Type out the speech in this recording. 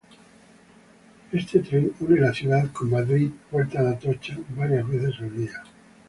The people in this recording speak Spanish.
Este tren une la ciudad con Madrid-Puerta de Atocha varias veces al día.